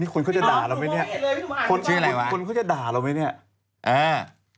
คนเขาจะด่าเราแน่